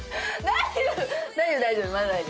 大丈夫大丈夫。